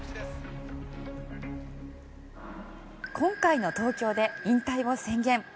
今回の東京で引退を宣言。